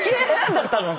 だったのに。